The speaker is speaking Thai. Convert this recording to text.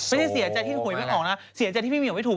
ไม่ได้เสียใจที่หวยไม่ออกนะเสียใจที่พี่เหี่ยวไม่ถูก